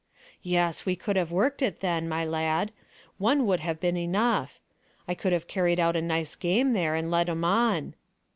"Yes, we could have worked it then, my lad. One would have been enough. I could have carried out a nice game there, and led 'em on."